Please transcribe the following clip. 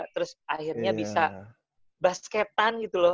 terus akhirnya bisa basketan gitu loh